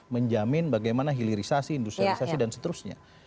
menjamin bagaimana hilirisasi industrialisasi dan seterusnya